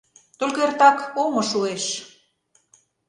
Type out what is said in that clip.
— Только эртак омо шуэш.